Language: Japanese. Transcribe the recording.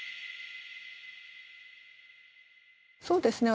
そうですね